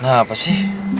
nah apa sih